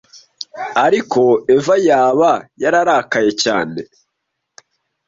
ariko eva yaba yararakaye cyane